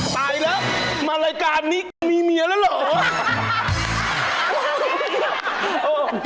ตายแล้วมารายการนี้มีเมียแล้วเหรอ